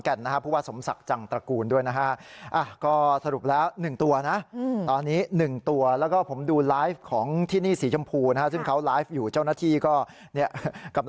เขาอาจจะหากินมาแล้วจะเปิดตัวเลือกเลยแล้วก็อาจจะหลุดขึ้นมาในพื้นที่ของประโยชน์